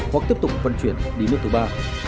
hoặc tiếp tục vận chuyển đi nước thứ ba